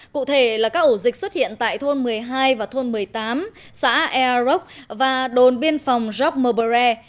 cụ thể là các ổ dịch xuất hiện tại thôn một mươi hai và thôn một mươi tám xã air rock và đồn biên phòng rock marbury